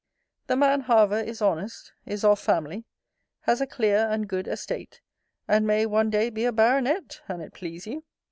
The man however is honest: is of family: has a clear and good estate; and may one day be a baronet, an't please you.